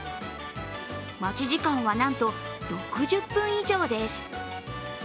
待ち時間はなんと６０分以上です。